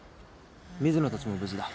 水野たちも無事だ。